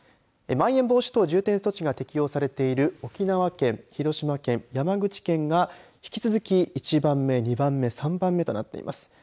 まん延防止等重点措置が適用されている沖縄県広島県、山口県が引き続き、１番目、２番目３番目となっています。